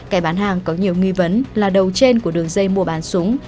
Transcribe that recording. kẻ bán hàng có nhiều nghi vấn là đầu trên của đường dây mua bán súng